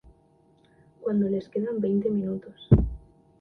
Cuando les quedan veinte minutos.